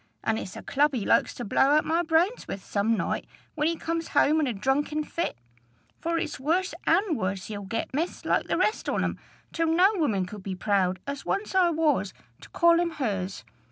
an' it's a club he's like to blow out my brains with some night, when he comes home in a drunken fit; for it's worse and worse he'll get, miss, like the rest on 'em, till no woman could be proud, as once I was, to call him hers.